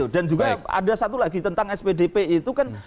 dan juga ada satu lagi tentang spdp itu kan